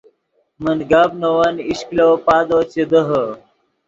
من گپ نے ون ایش کلو پادو چے دیہے